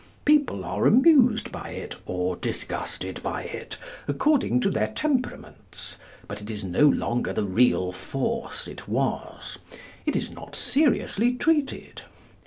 People are amused by it, or disgusted by it, according to their temperaments. But it is no longer the real force it was. It is not seriously treated.